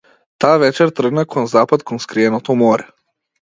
Таа вечер тргна кон запад, кон скриеното море.